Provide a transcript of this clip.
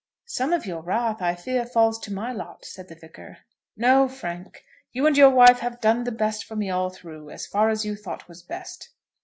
"Some of your wrath, I fear, falls to my lot?" said the Vicar. "No, Frank. You and your wife have done the best for me all through, as far as you thought was best."